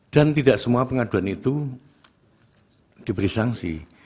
dan tidak semua pengaduan itu diberi sanksi